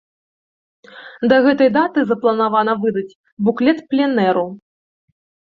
Да гэтай даты запланавана выдаць буклет пленэру.